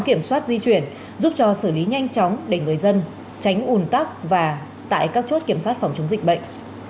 kiểm soát di chuyển giúp cho xử lý nhanh chóng để người dân tránh ủn tắc và tại các chốt kiểm soát phòng chống dịch bệnh